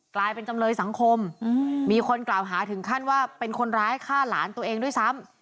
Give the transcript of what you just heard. กลายเป็นจำเลยสังคมมีคนกล่าวหาถึงขั้นว่าเป็นคนร้ายฆ่าหลานตัวเองด้วยซ้ำ